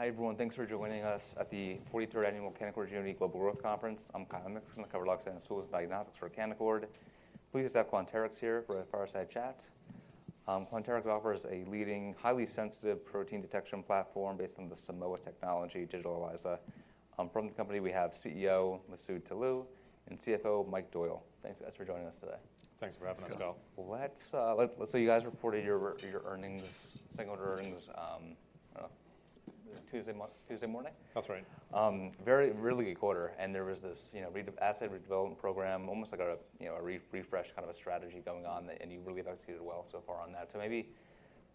Hi, everyone. Thanks for joining us at the 43rd Annual Canaccord Genuity Global Growth Conference. I'm Kyle Nixon, I cover life science and tools diagnostics for Canaccord. Pleased to have Quanterix here for a fireside chat. Quanterix offers a leading, highly sensitive protein detection platform based on the Simoa technology, digital ELISA. From the company, we have CEO, Masoud Toloue, and CFO, Michael Doyle. Thanks you guys for joining us today. Thanks for having us, Kyle. You guys reported your, your earnings, second quarter earnings, this Tuesday morning? That's right. Very, really good quarter, and there was this, you know, assay redevelopment program, almost like a, you know, a refresh, kind of a strategy going on, and you really executed well so far on that. Maybe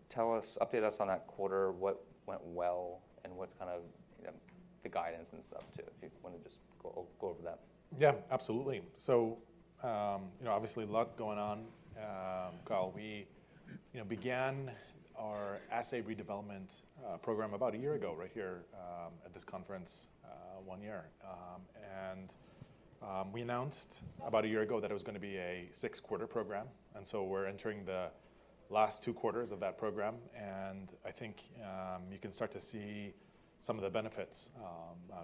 tell us, update us on that quarter, what went well and what's kind of, the guidance and stuff, too, if you want to just go, go over that. Yeah, absolutely. You know, obviously a lot going on. Kyle, we, you know, began our assay redevelopment program about a year ago, right here, at this conference, one year. We announced about a year ago that it was gonna be a six-quarter program, and so we're entering the last two quarters of that program, and I think you can start to see some of the benefits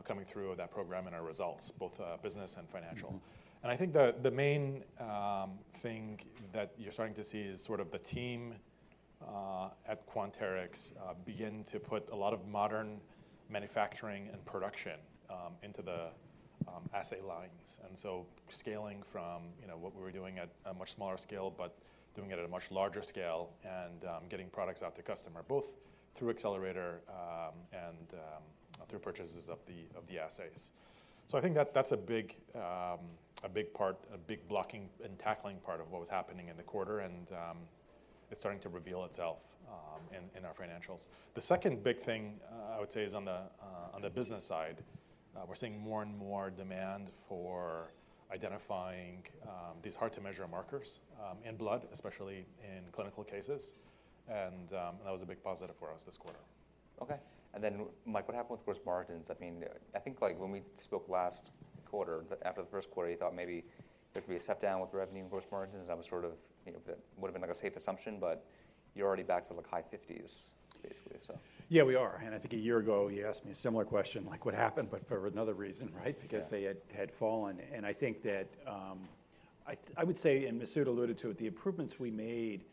coming through of that program in our results, both business and financial. I think the, the main thing that you're starting to see is sort of the team at Quanterix begin to put a lot of modern manufacturing and production into the assay lines. Scaling from, you know, what we were doing at a much smaller scale, but doing it at a much larger scale and getting products out to customer, both through Accelerator, and through purchases of the assays. I think that that's a big a big part, a big blocking and tackling part of what was happening in the quarter, and it's starting to reveal itself in our financials. The second big thing I would say is on the business side. We're seeing more and more demand for identifying these hard to measure markers in blood, especially in clinical cases. That was a big positive for us this quarter. Okay. Mike, what happened with gross margins? I mean, I think, like, when we spoke last quarter, that after the first quarter, you thought maybe there'd be a step down with the revenue and gross margins, that was sort of, you know, that would have been, like, a safe assumption, but you're already back to, like, high 50s, basically so. Yeah, we are. I think a year ago, you asked me a similar question, like, what happened, but for another reason, right? They had fallen. I think that, I would say, and Masoud alluded to it, the improvements we made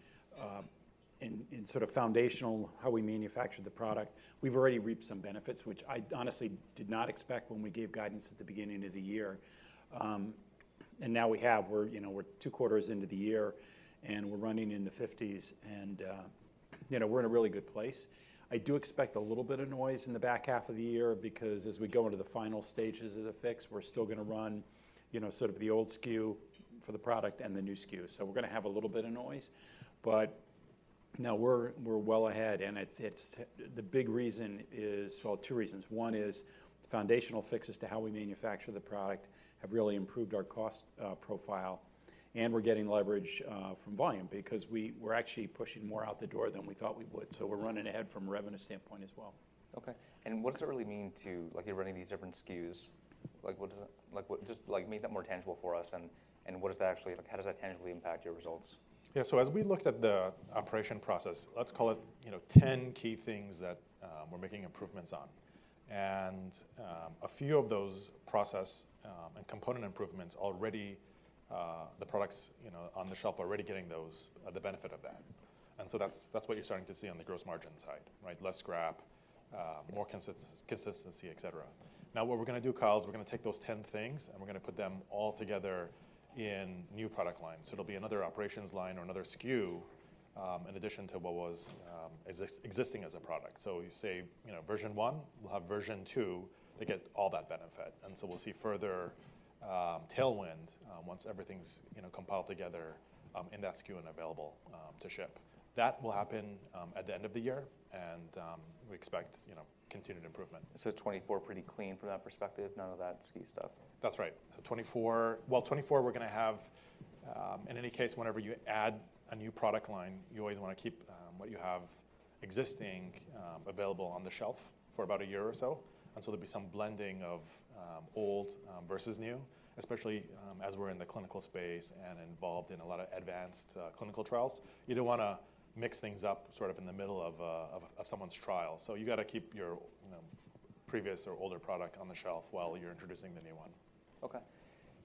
in sort of foundational, how we manufactured the product, we've already reaped some benefits, which I honestly did not expect when we gave guidance at the beginning of the year. Now we have, we're, you know, we're two quarters into the year and we're running in the 50s, and, you know, we're in a really good place. I do expect a little bit of noise in the back half of the year because as we go into the final stages of the fix, we're still gonna run, you know, sort of the old SKU for the product and the new SKU. We're gonna have a little bit of noise, but now we're, we're well ahead, and it's, it's. The big reason is. Well, two reasons: One is the foundational fixes to how we manufacture the product have really improved our cost profile, and we're getting leverage from volume because we're actually pushing more out the door than we thought we would. We're running ahead from a revenue standpoint as well. Okay. What does it really mean to, like, you're running these different SKUs? Just, like, make that more tangible for us, and what does that actually, like, how does that tangibly impact your results? Yeah. As we looked at the operation process, let's call it, you know, 10 key things that we're making improvements on. A few of those process and component improvements already, the products, you know, on the shelf are already getting those the benefit of that. That's, that's what you're starting to see on the gross margin side, right? Less scrap, more consistency, etcetera. Now, what we're gonna do, Kyle, is we're gonna take those 10 things, and we're gonna put them all together in new product lines. It'll be another operations line or another SKU, in addition to what was existing as a product. We say, you know, version one, we'll have version two, they get all that benefit, and so we'll see further tailwind once everything's, you know, compiled together in that SKU and available to ship. That will happen at the end of the year, and we expect, you know, continued improvement. 2024 pretty clean from that perspective, none of that SKU stuff? That's right. 2024, 2024, we're gonna have, in any case, whenever you add a new product line, you always wanna keep what you have existing available on the shelf for about a year or so, and there'll be some blending of old versus new, especially as we're in the clinical space and involved in a lot of advanced clinical trials. You don't wanna mix things up sort of in the middle of someone's trial. You gotta keep your, you know, previous or older product on the shelf while you're introducing the new one. Okay.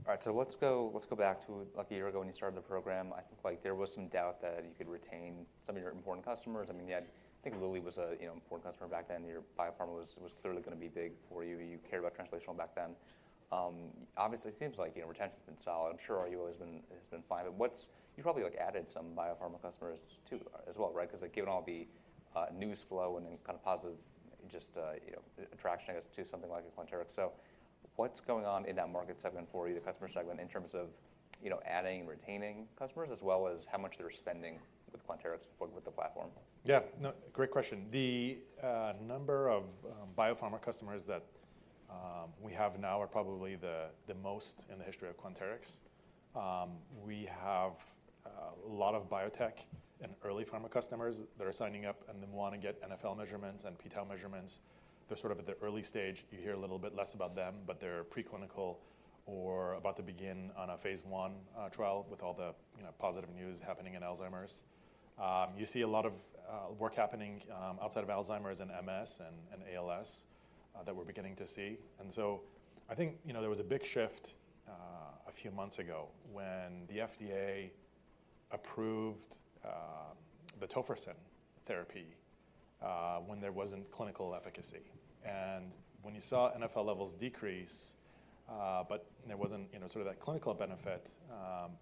All right, so let's go, let's go back to, like, a year ago when you started the program. I think, like, there was some doubt that you could retain some of your important customers. I mean, you had I think Lilly was a, you know, important customer back then. Your biopharma was, was clearly gonna be big for you. You cared about translational back then. Obviously, it seems like, you know, retention's been solid. I'm sure our UI has been, has been fine. What's... You've probably, like, added some biopharma customers, too, as well, right? 'Cause, like, given all the news flow and then kind of positive, just, you know, attraction, I guess, to something like a Quanterix. What's going on in that market segment for you, the customer segment, in terms of, you know, adding and retaining customers, as well as how much they're spending with Quanterix with the platform? Yeah. No, great question. The number of biopharma customers that we have now are probably the most in the history of Quanterix. We have a lot of biotech and early pharma customers that are signing up and then want to get NfL measurements and p-tau measurements. They're sort of at the early stage. You hear a little bit less about them, but they're preclinical or about to begin on a Phase I trial with all the, you know, positive news happening in Alzheimer's. You see a lot of work happening outside of Alzheimer's in MS and ALS that we're beginning to see. I think, you know, a few months ago when the FDA approved the Tofersen therapy when there wasn't clinical efficacy. When you saw NfL levels decrease, but there wasn't, you know, sort of that clinical benefit,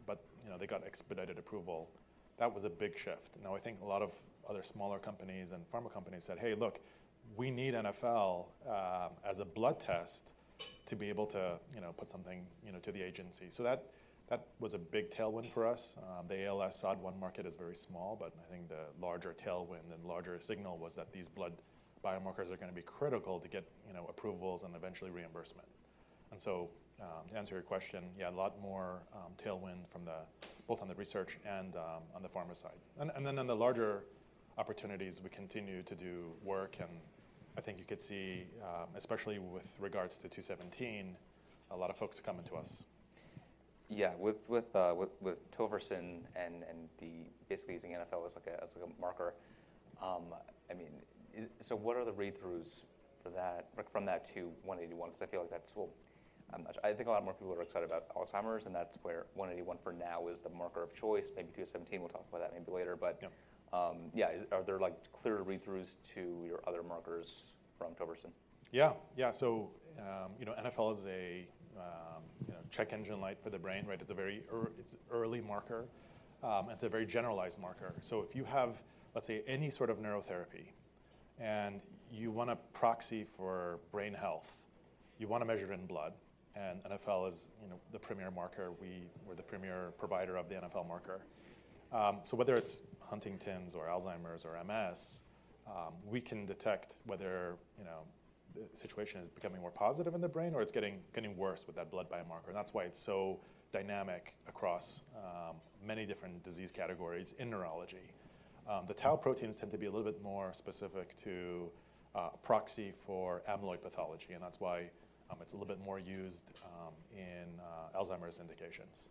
but, you know, they got expedited approval, that was a big shift. Now, I think a lot of other smaller companies and pharma companies said, "Hey, look, we need NfL, as a blood test to be able to, you know, put something, you know, to the agency." That, that was a big tailwind for us. The ALS SOD1 market is very small, but I think the larger tailwind and larger signal was that these blood biomarkers are gonna be critical to get, you know, approvals and eventually reimbursement. To answer your question, yeah, a lot more, tailwind from both on the research and, on the pharma side. Then on the larger opportunities, we continue to do work, and I think you could see, especially with regards to p-tau 217, a lot of folks are coming to us. Yeah. With, with, with Tofersen and, and the basically using NfL as like a, as like a marker, I mean, what are the read-throughs for that, like from that to p-tau 181? I feel like that's well. I think a lot more people are excited about Alzheimer's, and that's where p-tau 181 for now is the marker of choice. Maybe p-tau 217, we'll talk about that maybe later. Yeah, is, are there, like, clear read-throughs to your other markers from Tofersen? Yeah. Yeah, you know, NfL is a check engine light for the brain, right? It's a very ear- it's an early marker, it's a very generalized marker. If you have, let's say, any sort of neurotherapy and you want a proxy for brain health, you want to measure it in blood, and NfL is, you know, the premier marker. We were the premier provider of the NfL marker. Whether it's Huntington's or Alzheimer's or MS, we can detect whether, you know, the situation is becoming more positive in the brain or it's getting, getting worse with that blood biomarker, and that's why it's so dynamic across many different disease categories in neurology. The tau proteins tend to be a little bit more specific to a proxy for amyloid pathology, and that's why it's a little bit more used in Alzheimer's indications.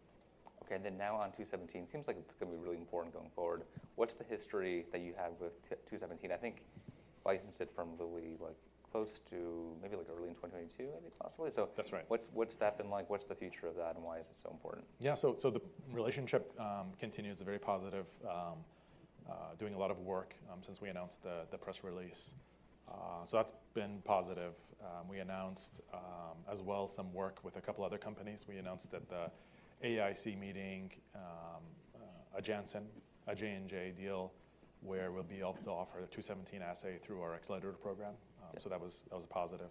Okay, then now on p-Tau 217, seems like it's gonna be really important going forward. What's the history that you have with p-Tau 217? I think licensed it from Lilly, like close to maybe like early in 2022, I think, possibly so. That's right. What's that been like? What's the future of that, and why is it so important? Yeah, so, so the relationship continues, very positive, doing a lot of work, since we announced the, the press release. That's been positive. We announced as well, some work with a couple of other companies. We announced at the AAIC meeting, a Jhonson, a J&J deal, where we'll be able to offer a p-tau 217 assay through our Accelerator program. That was, that was a positive.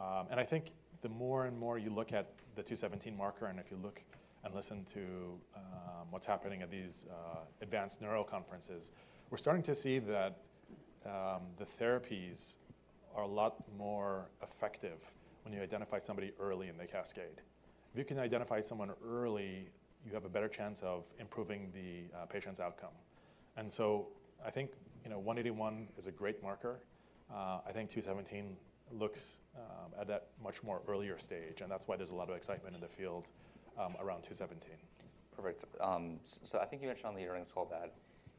I think the more and more you look at the p-tau 217 marker, and if you look and listen to, what's happening at these, advanced neuro conferences, we're starting to see that, the therapies are a lot more effective when you identify somebody early in the cascade. If you can identify someone early, you have a better chance of improving the, patient's outcome. I think, you know, p-tau 181 is a great marker. I think p-tau 217 looks, at that much more earlier stage, and that's why there's a lot of excitement in the field, around p-tau 217. Perfect. I think you mentioned on the earnings call that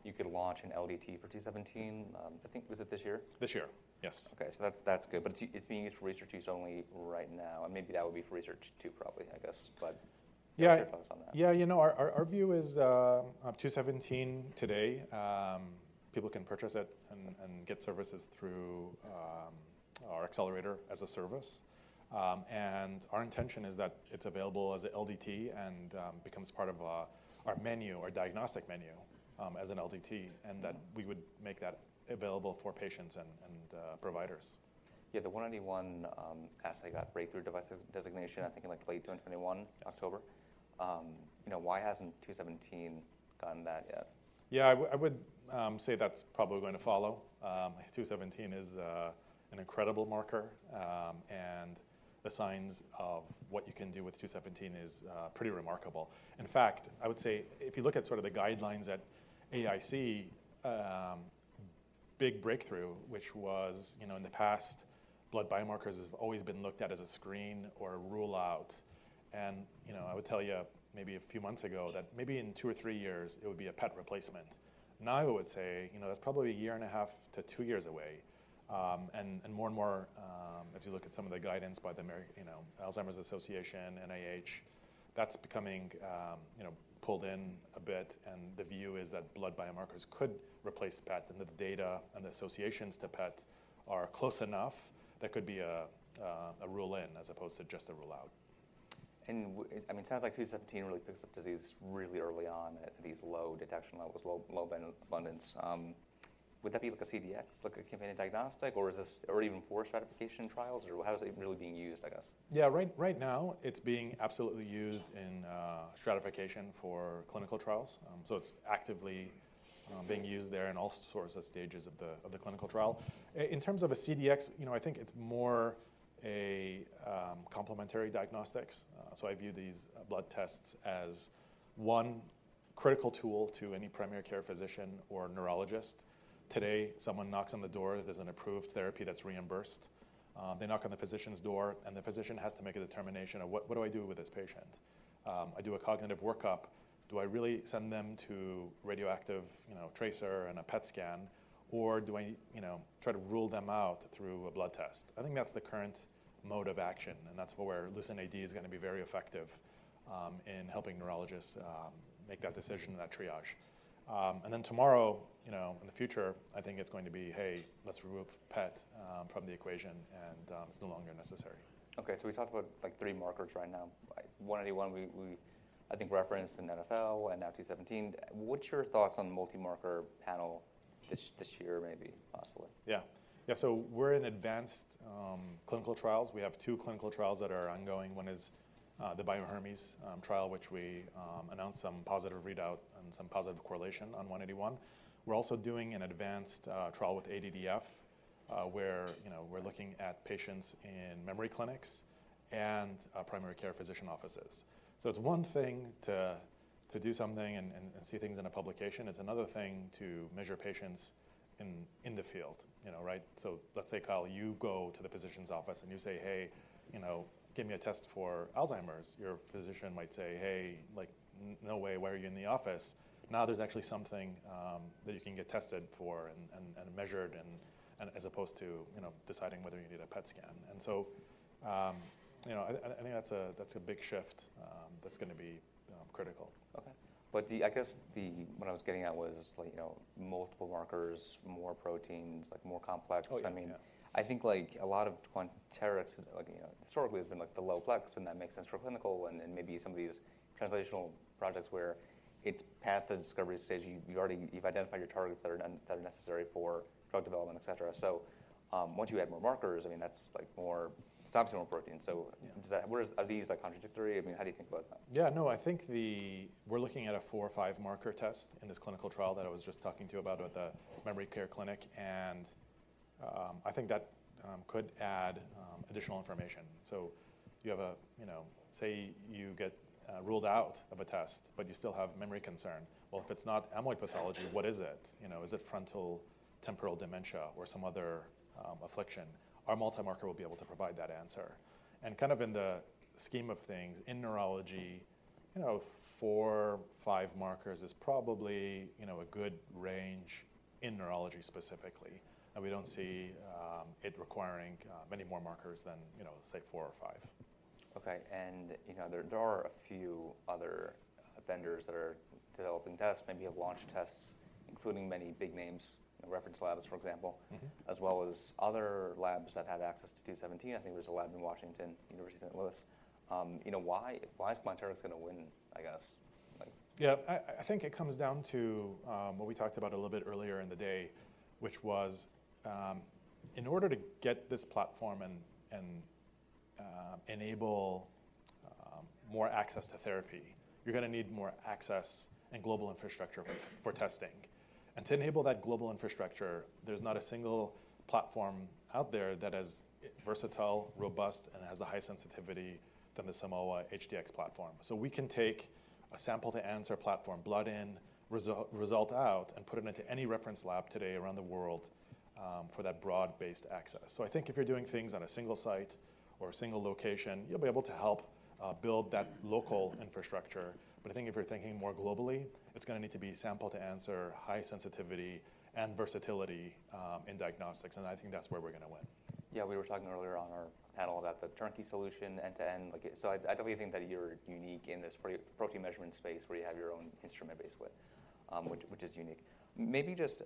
you could launch an LDT for p-tau 217. I think, was it this year? This year. Yes. Okay, so that's, that's good, but it's, it's being used for research use only right now, and maybe that would be for research too, probably, I guess. Your thoughts on that. Yeah, you know, our view is, on p-tau 217 today, people can purchase it and get services through our Accelerator as a service. Our intention is that it's available as an LDT and becomes part of our menu, our diagnostic menu, as an LDT, and that we would make that available for patients and providers. Yeah, the p-tau 181 assay got Breakthrough Device designation, I think in like late 2021, October. You know, why hasn't p-tau 217 gotten that yet? Yeah, I would, I would, say that's probably going to follow. p-tau 217 is an incredible marker, and the signs of what you can do with p-tau 217 is pretty remarkable. In fact, I would say, if you look at sort of the guidelines at AAIC, big breakthrough, which was, you know, in the past, blood biomarkers have always been looked at as a screen or a rule out. you know, I would tell you maybe a few months ago that maybe in two or three years it would be a PET replacement. Now, I would say, you know, that's probably a year and a half to two years away, and, and more and more, if you look at some of the guidance by the Alzheimer's Association, NIH, that's becoming, you know, pulled in a bit, and the view is that blood biomarkers could replace PET, and that the data and the associations to PET are close enough, that could be a rule in, as opposed to just a rule out. I mean, it sounds like p-tau 217 really picks up disease really early on at these low detection levels, low, low abundance. Would that be like a CDX, like a companion diagnostic, or is this or even for stratification trials, or how is it really being used, I guess? Yeah, right, right now, it's being absolutely used in stratification for clinical trials. It's actively being used there in all sorts of stages of the clinical trial. In terms of a CDX, you know, I think it's more a complementary diagnostics. I view these blood tests as one critical tool to any primary care physician or neurologist. Today, someone knocks on the door, there's an approved therapy that's reimbursed. They knock on the physician's door, and the physician has to make a determination of: What, what do I do with this patient? I do a cognitive workup. Do I really send them to radioactive, you know, tracer and a PET scan, or do I, you know, try to rule them out through a blood test? I think that's the current mode of action, and that's where LucentAD is gonna be very effective, in helping neurologists make that decision in that triage. Tomorrow, you know, in the future, I think it's going to be, "Hey, let's remove PET from the equation, and it's no longer necessary. Okay, we talked about, like, three markers right now. 181, we I think referenced in NFL and now p-tau 217. What's your thoughts on the multi-marker panel this year, maybe, possibly? Yeah. Yeah, we're in advanced clinical trials. We have two clinical trials that are ongoing. One is the Bio-Hermes trial, which we announced some positive readout and some positive correlation on p-tau 181. We're also doing an advanced trial with ADDF, where you know, we're looking at patients in memory clinics and primary care physician offices. It's one thing to do something and see things in a publication. It's another thing to measure patients in the field, you know, right? Let's say, Kyle, you go to the physician's office, and you say, "Hey, you know, give me a test for Alzheimer's." Your physician might say, "Hey, like, no way. Why are you in the office?" Now, there's actually something that you can get tested for and, and, and measured and, and as opposed to, you know, deciding whether you need a PET scan. You know, I, I, I think that's a, that's a big shift that's gonna be critical. Okay. I guess what I was getting at was like, you know, multiple markers, more proteins, like, more complex. I mean, I think, like, a lot of Quanterix, like, you know, historically, has been, like, the low plex, and that makes sense for clinical and, and maybe some of these translational projects where it's past the discovery stage. You, you already you've identified your targets that are necessary for drug development, et cetera. Once you add more markers, I mean, that's, like, more... It's obviously more protein. Are these, like, contradictory? I mean, how do you think about them? Yeah, no, I think the... We're looking at a four or five-marker test in this clinical trial that I was just talking to you about with the memory care clinic, and I think that could add additional information. You have a, you know. Say, you get ruled out of a test, but you still have memory concern. Well, if it's not amyloid pathology, what is it? You know, is it frontotemporal dementia or some other affliction? Our multi-marker will be able to provide that answer. Kind of in the scheme of things, in neurology, you know, four, five markers is probably, you know, a good range in neurology specifically, and we don't see it requiring many more markers than, you know, say, four or five. Okay, you know, there are a few other vendors that are developing tests, maybe have launched tests, including many big names, reference labs, for example. as well as other labs that have access to p-Tau 217. I think there's a lab in Washington, University of St. Louis. You know, why, why is Quanterix gonna win, I guess? Like- Yeah, I, I think it comes down to what we talked about a little bit earlier in the day, which was, in order to get this platform and, and enable more access to therapy, you're gonna need more access and global infrastructure for, for testing. To enable that global infrastructure, there's not a single platform out there that is versatile, robust, and has a high sensitivity than the Simoa HD-X platform. We can take a sample-to-answer platform, blood in, result, result out, and put it into any reference lab today around the world for that broad-based access. I think if you're doing things on a single site or a single location, you'll be able to help build that local infrastructure. I think if you're thinking more globally, it's gonna need to be sample-to-answer, high sensitivity and versatility in diagnostics, and I think that's where we're gonna win. We were talking earlier on our panel about the turnkey solution, end-to-end, so I, I definitely think that you're unique in this protein measurement space, where you have your own instrument baseline, which is unique. Maybe just,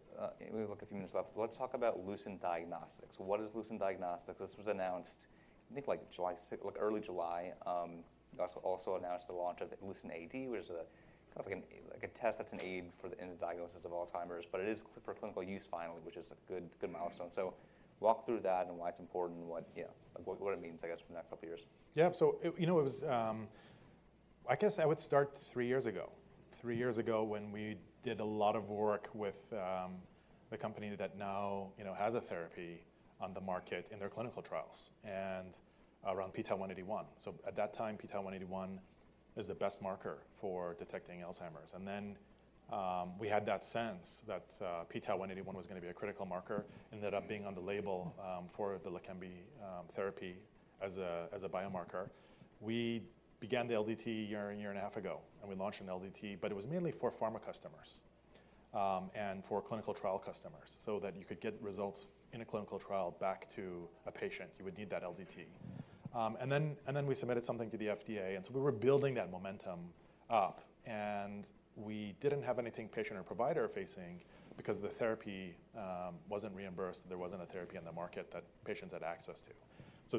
we have a few minutes left. Let's talk about Lucent Diagnostics. What is Lucent Diagnostics? This was announced, I think, like July 6, like early July. You also announced the launch of LucentAD, which is a kind of like a test that's an aid for the, in the diagnosis of Alzheimer's, but it is for clinical use finally, which is a good milestone. Walk through that and why it's important, and what, what it means, I guess, for the next couple of years. Yeah. It, you know, it was, I guess I would start three years ago. Three years ago, when we did a lot of work with the company that now, you know, has a therapy on the market in their clinical trials, and around p-tau 181. At that time, p-tau 181 is the best marker for detecting Alzheimer's. We had that sense that p-tau 181 was gonna be a critical marker. Ended up being on the label for the Leqembi therapy as a biomarker. We began the LDT a year and a half ago, and we launched an LDT, but it was mainly for pharma customers, and for clinical trial customers so that you could get results in a clinical trial back to a patient. You would need that LDT. We submitted something to the FDA, and so we were building that momentum up, and we didn't have anything patient or provider-facing because the therapy wasn't reimbursed. There wasn't a therapy on the market that patients had access to.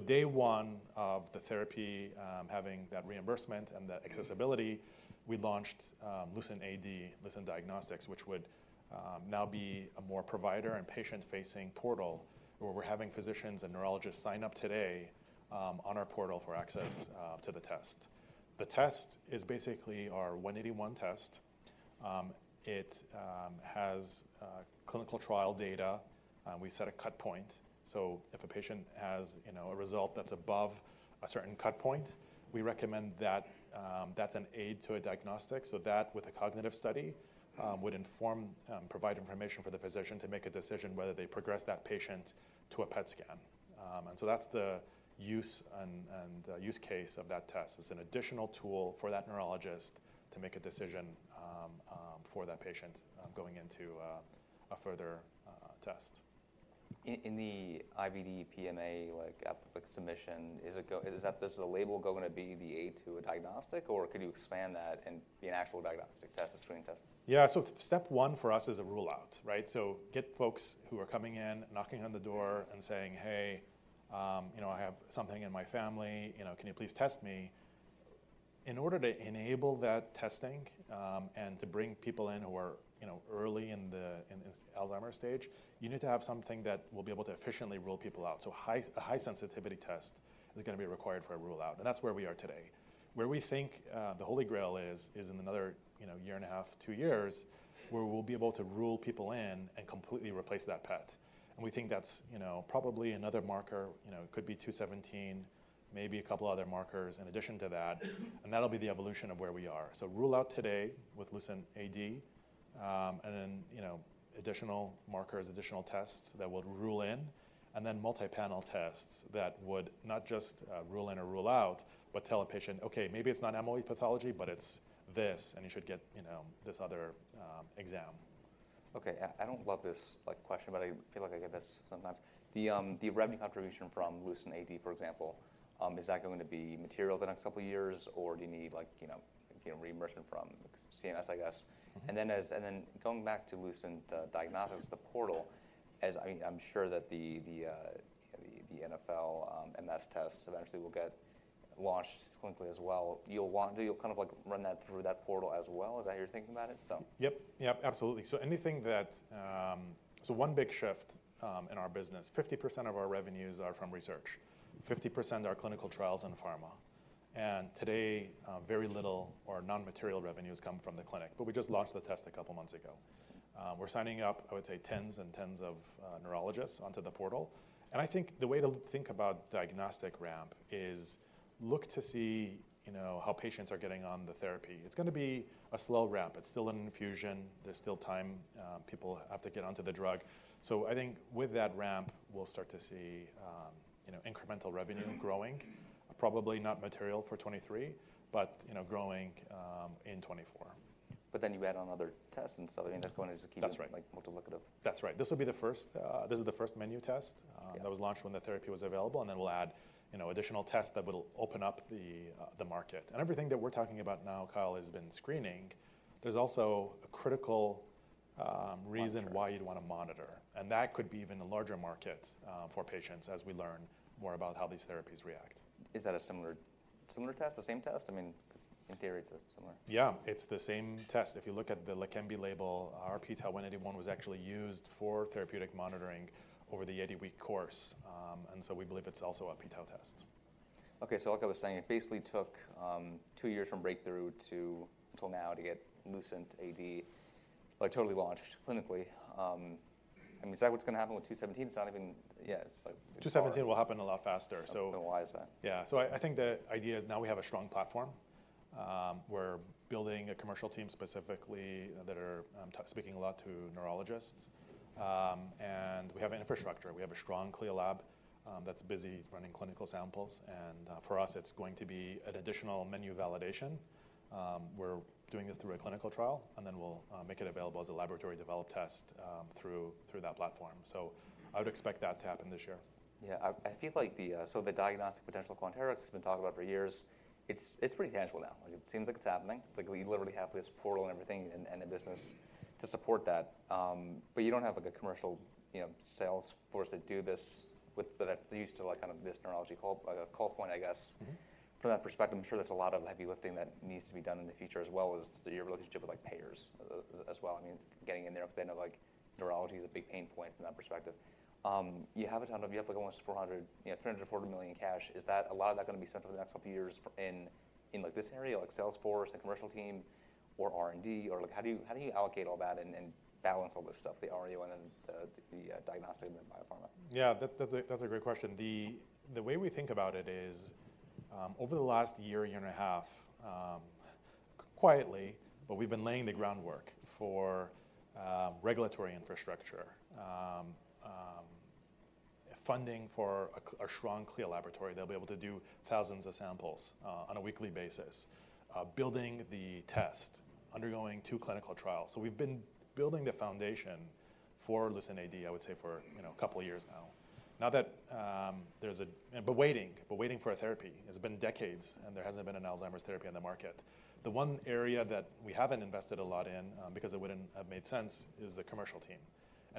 Day one of the therapy, having that reimbursement and the accessibility, we launched LucentAD, Lucent Diagnostics, which would now be a more provider- and patient-facing portal, where we're having physicians and neurologists sign up today on our portal for access to the test. The test is basically our p-tau 181 test. It has clinical trial data, and we set a cut point. If a patient has, you know, a result that's above a certain cut point, we recommend that that's an aid to a diagnostic. With a cognitive study, would inform, provide information for the physician to make a decision whether they progress that patient to a PET scan. That's the use and, and use case of that test. It's an additional tool for that neurologist to make a decision for that patient going into a further test. In the IVD PMA, like, like submission, is it does the label going to be the A to a diagnostic, or could you expand that and be an actual diagnostic test, a screening test? Yeah. Step one for us is a rule-out, right? Get folks who are coming in, knocking on the door and saying, "Hey, you know, I have something in my family. You know, can you please test me?" In order to enable that testing, and to bring people in who are, you know, early in the, in this Alzheimer's stage, you need to have something that will be able to efficiently rule people out. A high sensitivity test is going to be required for a rule-out, and that's where we are today. Where we think, the holy grail is, is in another, you know, year and a half, two years, where we'll be able to rule people in and completely replace that PET. We think that's, you know, probably another marker, you know, it could be p-tau 217, maybe a couple of other markers in addition to that, and that'll be the evolution of where we are. Rule-out today with LucentAD, and then, you know, additional markers, additional tests that would rule in, and then multi-panel tests that would not just, rule in or rule out, but tell a patient, "Okay, maybe it's not amyloid pathology, but it's this, and you should get, you know, this other, exam. Okay. I don't love this like, question, but I feel like I get this sometimes. The, the revenue contribution from LucentAD, for example, is that going to be material the next couple of years, or do you need like, you know, reimbursement from CMS, I guess? Then going back to Lucent Diagnostics, the portal, as... I mean, I'm sure that the NFL, MS tests eventually will get launched clinically as well. You'll want Do you kind of like run that through that portal as well? Is that how you're thinking about it? Yep. Yep, absolutely. Anything that... One big shift in our business, 50% of our revenues are from research, 50% are clinical trials and pharma. Today, very little or non-material revenues come from the clinic, but we just launched the test a couple months ago. We're signing up, I would say, tens and tens of neurologists onto the portal. I think the way to think about diagnostic ramp is look to see, you know, how patients are getting on the therapy. It's gonna be a slow ramp. It's still an infusion, there's still time, people have to get onto the drug. I think with that ramp, we'll start to see, you know, incremental revenue growing, probably not material for 2023, but, you know, growing in 2024. Then you add on other tests, and so I mean, that's going to just keep like, multiplicative. That's right. This will be the first, this is the first menu test that was launched when the therapy was available, and then we'll add, you know, additional tests that would open up the, the market. Everything that we're talking about now, Kyle, has been screening. There's also a critical reason why you'd want to monitor, and that could be even a larger market, for patients as we learn more about how these therapies react. Is that a similar, similar test, the same test? I mean, in theory, it's similar. Yeah, it's the same test. If you look at the Leqembi label, our p-tau 181 was actually used for therapeutic monitoring over the 80-week course, so we believe it's also a p-tau test. Okay, so like I was saying, it basically took, two years from breakthrough to till now to get LucentAD, like, totally launched clinically. I mean, is that what's going to happen with p-tau 217? It's not even, yeah, it's like... 217 will happen a lot faster. Why is that? Yeah. I, I think the idea is now we have a strong platform. We're building a commercial team specifically, that are speaking a lot to neurologists. We have infrastructure, we have a strong CLIA lab that's busy running clinical samples, for us, it's going to be an additional menu validation. We're doing this through a clinical trial, then we'll make it available as a laboratory developed test through, through that platform. I would expect that to happen this year. Yeah, I, I feel like the, so the diagnostic potential Quanterix has been talking about for years, it's, it's pretty tangible now. It seems like it's happening. It's like we literally have this portal and everything and, and the business to support that. You don't have like a commercial, you know, sales force to do this with, that's used to like kind of this neurology call, call point, I guess. From that perspective, I'm sure there's a lot of heavy lifting that needs to be done in the future, as well as your relationship with, like, payers as well. I mean, getting in there because they know, like, neurology is a big pain point from that perspective. You have a ton of... You have like almost $400 million, you know, $340 million in cash. Is that, a lot of that going to be spent for the next two years in like this area, like Salesforce and commercial team or R&D, or like, how do you, how do you allocate all that and, and balance all this stuff, the RUO and then the, the diagnostic and the biopharma? Yeah, that, that's a, that's a great question. The, the way we think about it is, over the last year, year and a half, quietly, but we've been laying the groundwork for regulatory infrastructure, funding for a strong CLIA laboratory. They'll be able to do thousands of samples on a weekly basis, building the test, undergoing two clinical trials. We've been building the foundation for LucentAD, I would say, for, you know, a couple of years now. Now that, but waiting, but waiting for a therapy. It's been decades, and there hasn't been an Alzheimer's therapy on the market. The one area that we haven't invested a lot in, because it wouldn't have made sense, is the commercial team.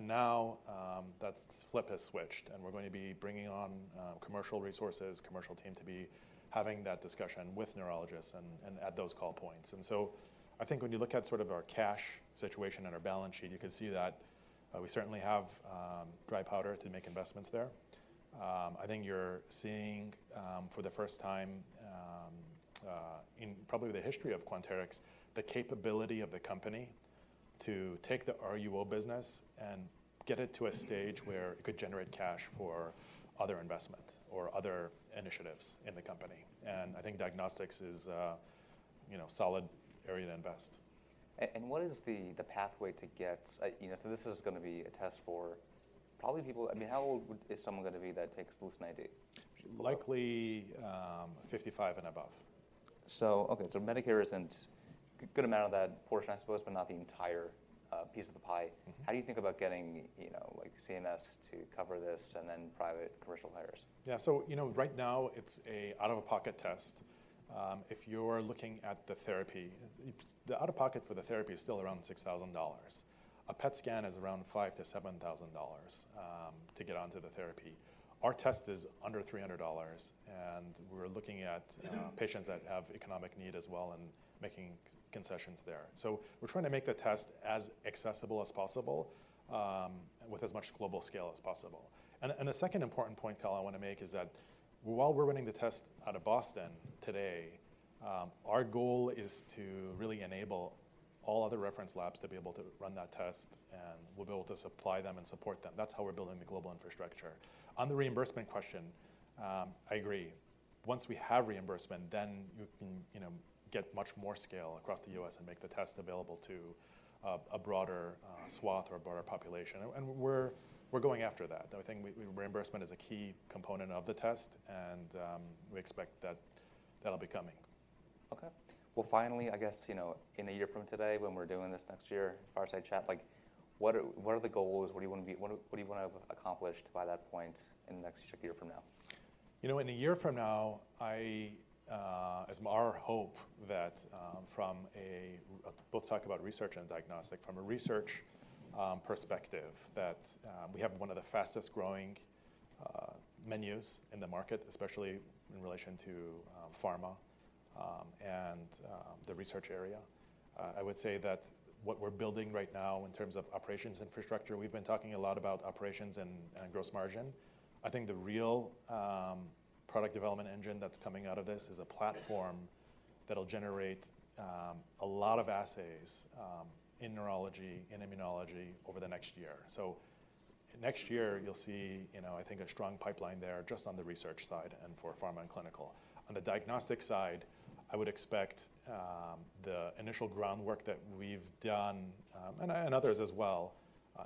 Now, that flip has switched, and we're going to be bringing on, commercial resources, commercial team, to be having that discussion with neurologists and, and at those call points. I think when you look at sort of our cash situation and our balance sheet, you can see that, we certainly have, dry powder to make investments there. I think you're seeing, for the first time, in probably the history of Quanterix, the capability of the company to take the RUO business and get it to a stage where it could generate cash for other investments or other initiatives in the company. I think diagnostics is a, you know, solid area to invest. What is the pathway to get, you know, so this is gonna be a test for probably people-- I mean, how old would, is someone gonna be that takes LucentAD? Likely, 55 and above. Okay, so Medicare isn't a good amount of that portion, I suppose, but not the entire piece of the pie. How do you think about getting, you know, like CMS to cover this and then private commercial payers? Yeah. You know, right now, it's a out-of-pocket test. If you're looking at the therapy, the out-of-pocket for the therapy is still around $6,000. A PET scan is around $5,000 to $7,000 to get onto the therapy. Our test is under $300, and we're looking at patients that have economic need as well and making concessions there. We're trying to make the test as accessible as possible, with as much global scale as possible. The second important point, Kyle, I want to make is that while we're running the test out of Boston today, our goal is to really enable all other reference labs to be able to run that test, and we'll be able to supply them and support them. That's how we're building the global infrastructure. On the reimbursement question, I agree. Once we have reimbursement, then you can, you know, get much more scale across the U.S. and make the test available to a broader swath or a broader population. We're, we're going after that. I think re-reimbursement is a key component of the test, and, we expect that that'll be coming. Okay. Well, finally, I guess, you know, in a year from today, when we're doing this next year, fireside chat, like, what are the goals? What do you want to have accomplished by that point in the next year from now? You know, in a year from now, I, it's our hope that, from a, both talk about research and diagnostic, from a research, perspective, that, we have one of the fastest-growing, menus in the market, especially in relation to, pharma, and, the research area. I would say that what we're building right now in terms of operations infrastructure, we've been talking a lot about operations and, and gross margin. I think the real, product development engine that's coming out of this is a platform that'll generate, a lot of assays, in neurology, in immunology over the next year. Next year, you'll see, you know, I think a strong pipeline there, just on the research side and for pharma and clinical. On the diagnostic side, I would expect, the initial groundwork that we've done, and others as well,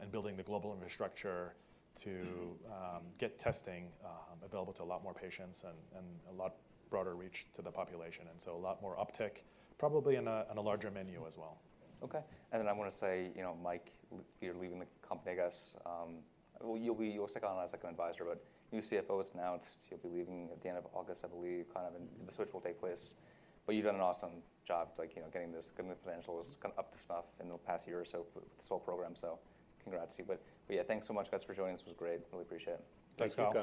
in building the global infrastructure to get testing available to a lot more patients and a lot broader reach to the population. So a lot more uptick, probably in a larger menu as well. Okay. Then I want to say, you know, Mike, you're leaving the company, I guess, well, you'll be you'll stick around as like an advisor, but new CFO is announced, you'll be leaving at the end of August, I believe, kind of in the switch will take place. You've done an awesome job, like, you know, getting this, getting the financials up to snuff in the past year or so with this whole program. So congrats to you. Yeah, thanks so much, guys, for joining us. This was great. Really appreciate it. Thanks, Kyle.